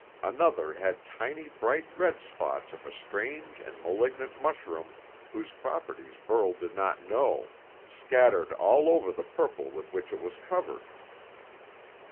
Another had tiny bright red spots of a strange and malignant mushroom whose properties Burl did not know, scattered all over the purple with which it was covered.